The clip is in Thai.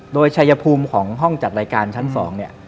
โดยชัยภูมิของห้องจัดรายการชั้น๒เนี่ย